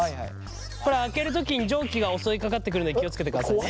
これ開ける時に蒸気が襲いかかってくるので気を付けてくださいね。